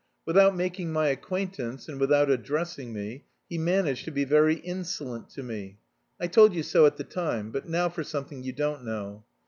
Without making my acquaintance and without addressing me, he managed to be very insolent to me. I told you so at the time; but now for something you don't know.